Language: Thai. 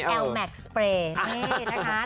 ลแม็กซ์สเปรย์นี่นะคะ